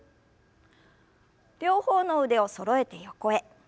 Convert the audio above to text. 両方の腕をそろえて横へ。